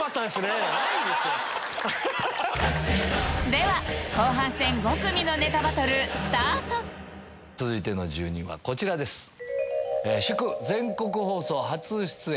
では後半戦５組のネタバトルスタート続いての住人はこちらです。